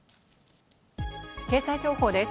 経済情報です。